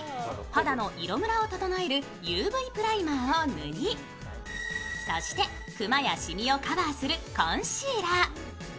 肌の色むらを整えるＵＶプライマーを塗り、そしてクマやシミをカバーするコンシーラー。